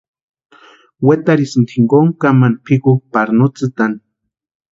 Wetarhisïnti jinkontku kamani pʼikukwani pari no tsïtani.